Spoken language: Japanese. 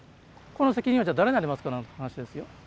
この責任はじゃあ誰にありますかなんて話ですよ。